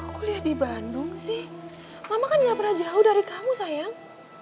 kuliah di bandung sih mama kan gak pernah jauh dari kamu sayang